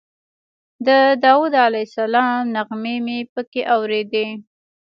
د داود علیه السلام نغمې مې په کې اورېدې.